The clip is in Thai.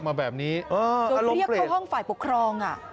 คนเรียกไปห้องปกครองน่ะ